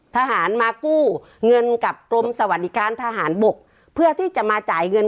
ทหารมากู้เงินกับกรมสวัสดิการทหารบกเพื่อที่จะมาจ่ายเงิน